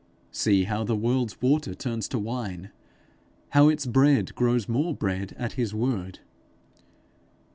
See how the world's water turns to wine! how its bread grows more bread at his word!